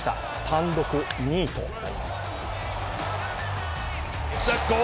単独２位となります。